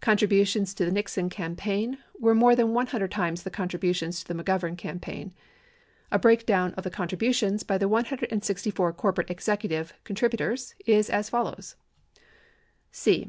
Contributions to the Nixon campaign were more than 100 times the contributions to the McGovern campaign. A break down of the contributions by the 164 corporate executive contribu tors is as follows : C.